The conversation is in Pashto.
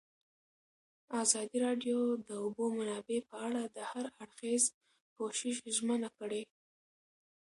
ازادي راډیو د د اوبو منابع په اړه د هر اړخیز پوښښ ژمنه کړې.